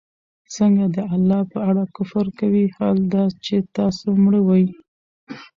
څنگه د الله په اړه كفر كوئ! حال دا چي تاسو مړه وئ